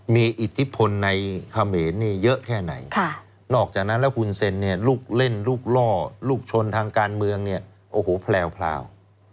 มีอิทธิพลในเขมรนี่เยอะแค่ไหนนอกจากนั้นแล้วคุณเซ็นเนี่ยลูกเล่นลูกล่อลูกชนทางการเมืองเนี่ยโอ้โหแพลว